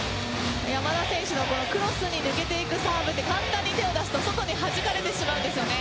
山田選手のクロスに抜けていくサーブは簡単に手を出すと外にはじかれてしまうんですよね。